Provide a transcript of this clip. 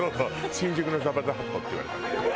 「新宿のジャバ・ザ・ハット」って言われたの。